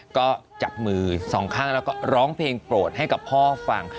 ก็จับมือสองข้างแล้วก็ร้องเพลงโปรดให้กับพ่อฟัง